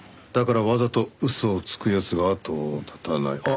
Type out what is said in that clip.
だからわざと嘘をつく奴があとを絶たない。